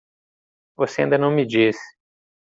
Você ainda não me disse